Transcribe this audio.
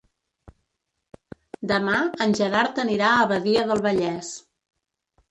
Demà en Gerard anirà a Badia del Vallès.